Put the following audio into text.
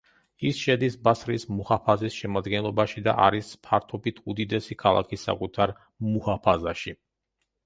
ის შედის ბასრის მუჰაფაზის შემადგენლობაში და არის ფართობით უდიდესი ქალაქი საკუთარ მუჰაფაზაში.